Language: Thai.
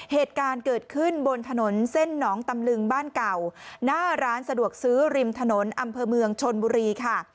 เหตุการณ์เกิดขึ้นบนถนนเส้นหนองตำลึงบ้านเก่าหน้าร้านสะดวกซื้อริมถนนอำเภอเมืองชนบุรีค่ะ